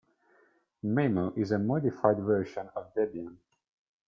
Maemo is a modified version of Debian.